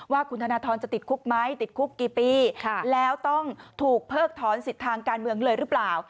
ว่าคุณธนทรจะติดคุกไหมติดคุกกี่ปีแล้วต้องถูกเพิกถอนสิทธิ์ทางการเมืองเลยหรือเปล่า